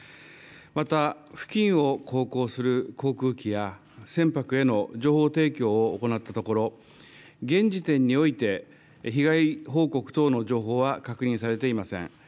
また、付近を航行する航空機や、船舶への情報提供を行ったところ、現時点において被害報告等の情報は確認されていません。